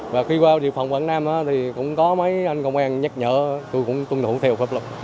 và khi qua địa phận quảng nam thì cũng có mấy anh công an nhắc nhở tôi cũng tuân thủ theo pháp luật